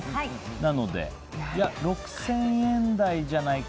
なので、６０００円台じゃないか。